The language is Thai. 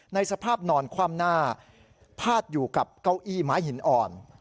ในสภาพนอนคว่ำหน้าพาดอยู่กับเก้าอี้ไม้หินอ่อน